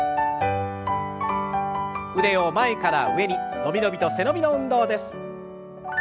腕を前から上に伸び伸びと背伸びの運動です。